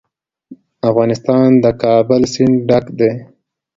افغانستان له د کابل سیند ډک دی.